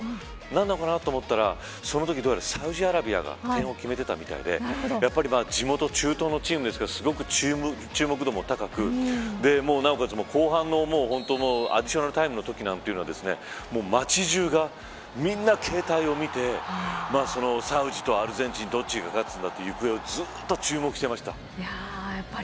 何かなと思ったらそのときサウジアラビアが点を決めていたみたいで地元、中東のチームですからすごく注目度も高くなおかつ、後半のアディショナルタイムのときは街中がみんな携帯を見てサウジとアルゼンチンどっちが勝つんだという行方をずっと注目していました。